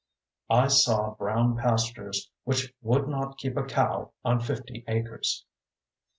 I saw brown pastures which would not keep a cow on fifty acres.